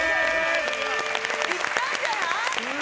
いったんじゃない！？